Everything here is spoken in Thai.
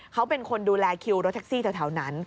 เขาเป็นคนดูแลคิวรถแท็กซี่แถวนั้น